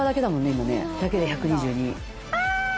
今ねだけで１２２。